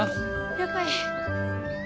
了解。